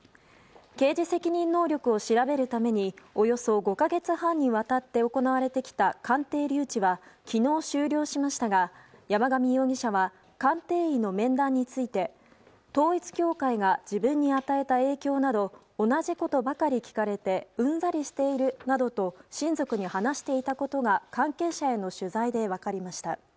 刑事責任能力を調べるためにおよそ５か月半にわたって行われてきた鑑定留置は昨日終了しましたが山上容疑者は鑑定医の面談について統一教会が自分に与えた影響など同じことばかり聞かれてうんざりしているなどと親族に話していたことが関係者への取材で分かりました。